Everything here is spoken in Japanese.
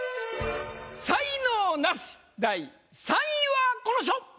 才能ナシ第３位はこの人！